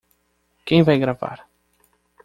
Quem vai gravar?